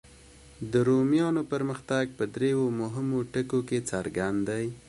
د رومیانو پرمختګ په دریو مهمو ټکو کې څرګند دی.